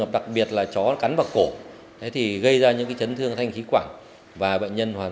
đặc biệt là chó cắn vào cổ thì gây ra những chấn thương thanh khí quảng và bệnh nhân hoàn